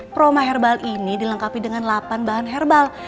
proma herbal ini dilengkapi dengan delapan bahan herbal